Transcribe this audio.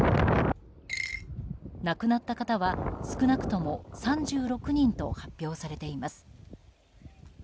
亡くなった方は少なくとも３６人と発表されています。